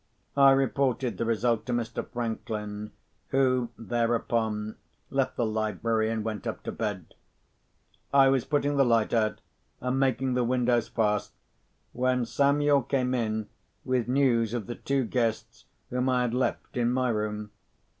I reported the result to Mr. Franklin, who, thereupon, left the library, and went up to bed. I was putting the lights out, and making the windows fast, when Samuel came in with news of the two guests whom I had left in my room.